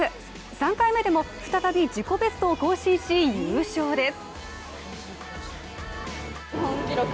３回目でも、再び自己ベストを更新し優勝です。